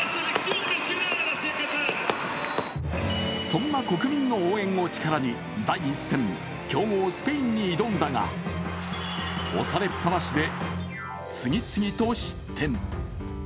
そんな国民の応援を力に第１戦、強豪・スペインに挑んだが押されっぱなしで次々と失点。